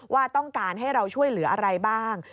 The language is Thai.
ว่าต้องการให้เราช่วยเหลืออะไรบ้าง